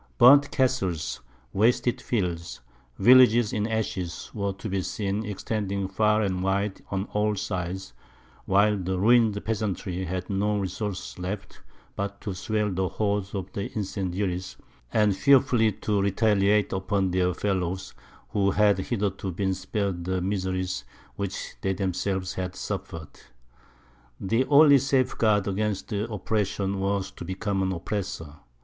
Burnt castles, wasted fields, villages in ashes, were to be seen extending far and wide on all sides, while the ruined peasantry had no resource left but to swell the horde of incendiaries, and fearfully to retaliate upon their fellows, who had hitherto been spared the miseries which they themselves had suffered. The only safeguard against oppression was to become an oppressor.